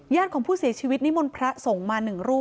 ของผู้เสียชีวิตนิมนต์พระส่งมา๑รูป